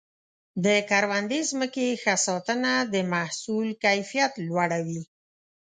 د کروندې ځمکې ښه ساتنه د محصول کیفیت لوړوي.